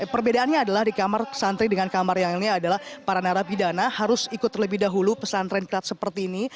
perbedaannya adalah di kamar santri dengan kamar yang ini adalah para narapidana harus ikut terlebih dahulu pesantren kelat seperti ini